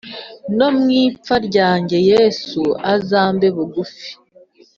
No mu ipfa ryanjye yesu uzambe bugufi